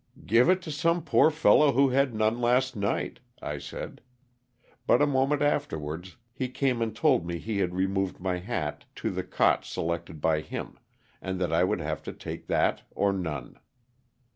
"Give it to some poor fellow who had none last night," I said; but a moment afterwards he came and told me he had removed my hat to the cot selected by him, and that I would have to take that or none.